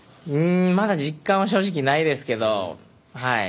まだ実感は正直ないですけどはい、